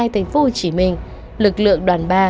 tp hcm lực lượng đoàn ba